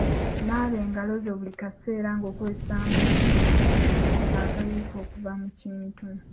Naaba engalo zo buli kaseera ng’okozesa amazzi agayiika okuva mu kintu.